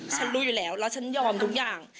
ฉันรู้อยู่แล้วแล้วฉันยอมทุกอย่าง